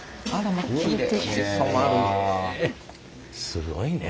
すごいね。